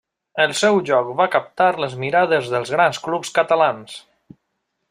El seu joc va captar les mirades dels grans clubs catalans.